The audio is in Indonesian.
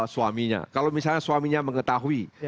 suaminya kalau misalnya suaminya mengetahui